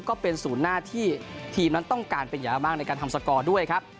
ก็เป็นศูนย์หน้าที่ทีมนั้นต้องการเป็นอย่างมากในการทำสกอร์ด้วยครับ